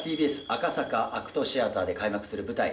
ＴＢＳ赤坂ＡＣＴシアターで開幕する舞台